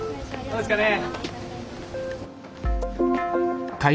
どうですかね？